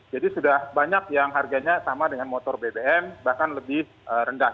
jadi sudah banyak yang harganya sama dengan motor bbm bahkan lebih rendah